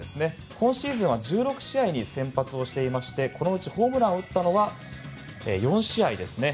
今シーズンは１６試合に先発していましてこのうち、ホームランを打ったのは４試合ですね。